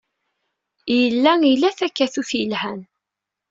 Yella ila takatut yelhan.